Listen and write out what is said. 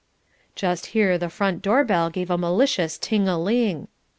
Just here the front door bell gave a malicious ting a ling.